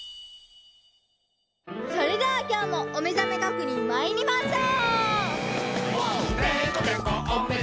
それではきょうもおめざめ確認まいりましょう！